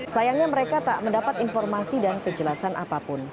sayangnya mereka tak mendapat informasi dan kejelasan apapun